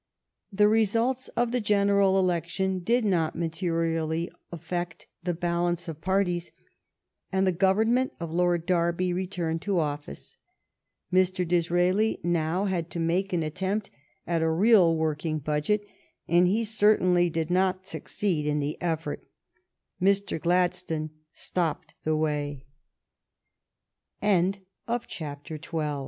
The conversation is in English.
The results of the gen eral election did not materially affect the balance of parties, and the Government of Lord Derby re turned to office. Mr. Disraeli now had to make an attempt at a real working budget, and he certainly did not succeed in the effort.